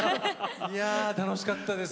いや楽しかったです。